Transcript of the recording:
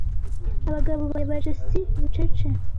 Abagabo bareba Jessie bucece.